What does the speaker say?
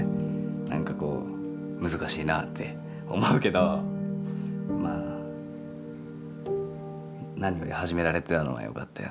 何かこう難しいなあって思うけどまあ何より始められたのはよかったよね。